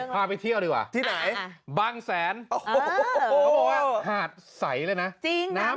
แต่นี้เชื่อผม